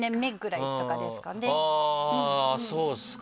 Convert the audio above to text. あぁそうですか。